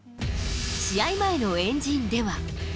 試合前の円陣では。